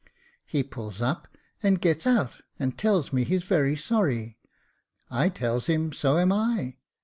He pulls up and gets out, and tells me he's very sorry. I tells him so am I.